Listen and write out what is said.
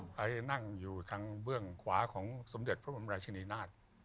ไปนั่งอยู่ทางเบื้องศูนย์ขวาของสมเด็จพระบำไรของกฏิลินาศ